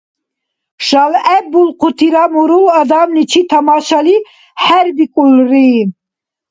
ШалгӀеббулхъутира мурул адамличи тамашали хӀербикӀулри.